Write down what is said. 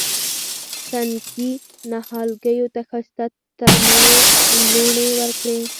تنکي نهالګیو ته ښایسته ترمڼو لوڼې ورکړه